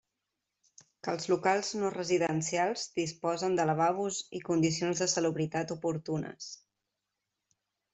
Que els locals no residencials disposen de lavabos i condicions de salubritat oportunes.